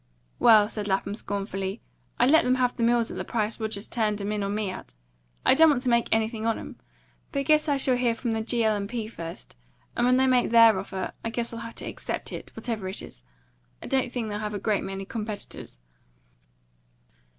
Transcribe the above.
"Well," said Lapham scornfully, "I'd let them have the mills at the price Rogers turned 'em in on me at. I don't want to make anything on 'em. But guess I shall hear from the G. L. & P. first. And when they make their offer, I guess I'll have to accept it, whatever it is. I don't think they'll have a great many competitors."